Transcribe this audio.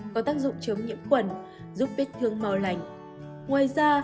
có tác dụng chống nhiễm khóa chống nhiễm khóa chống nhiễm khóa chống nhiễm khóa chống nhiễm khóa chống nhiễm khóa